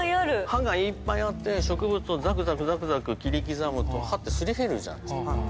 歯がいっぱいあって植物をザクザクザクザク切り刻むと歯ってすり減るじゃないですか。